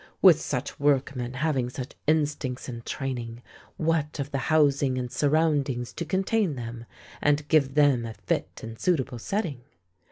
With such workmen, having such instincts and training, what of the housing and surroundings to contain them and give them a fit and suitable setting?